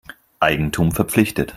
Eigentum verpflichtet.